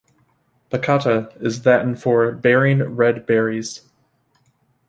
"Baccata" is Latin for "bearing red berries".